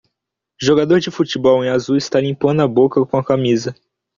Jogador de futebol em azul está limpando a boca com a camisa